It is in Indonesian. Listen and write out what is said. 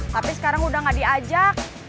tapi sekarang udah gak diajak